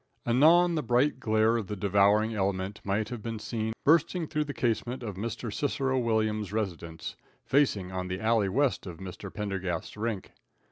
Anon the bright glare of the devouring element might have been seen bursting through the casement of Mr. Cicero Williams's residence, facing on the alley west of Mr. Pendergast's rink.